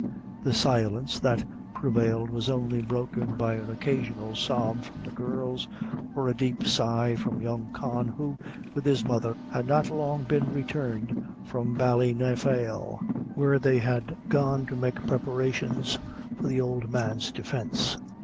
The silence that prevailed was only broken by an occasional sob from the girls, or a deep sigh from young Con, who, with his mother, had not long been returned from Ballynafail, where they had gone to make preparations for the old man's defence.